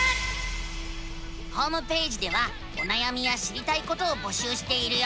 ホームページではおなやみや知りたいことを募集しているよ。